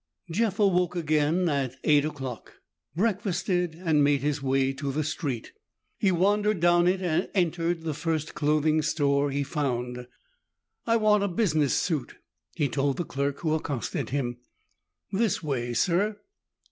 Jeff awoke again at eight o'clock, breakfasted and made his way to the street. He wandered down it and entered the first clothing store he found. "I want a business suit," he told the clerk who accosted him. "This way, sir."